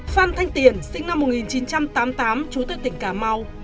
phan thanh tiền sinh năm một nghìn chín trăm tám mươi tám trú tại tỉnh cà mau